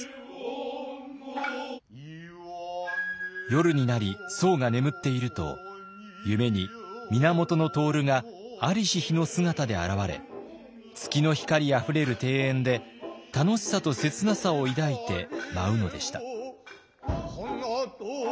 夜になり僧が眠っていると夢に源融が在りし日の姿で現れ月の光あふれる庭園で楽しさと切なさを抱いて舞うのでした。